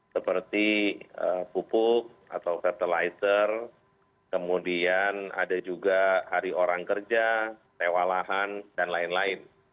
seperti pupuk atau fertilizer kemudian ada juga hari orang kerja tewa lahan dan lain lain